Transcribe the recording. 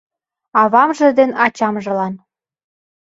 Авамже ден ачамжылан